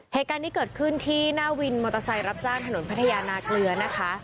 เหตุการณ์นี้เกิดขึ้นที่หน้าวินมอเตอร์ไซค์รับจ้างถนนพัทยานาเกลือนะคะ